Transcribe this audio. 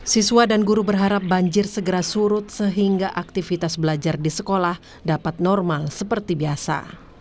siswa dan guru berharap banjir segera surut sehingga aktivitas belajar di sekolah dapat normal seperti biasa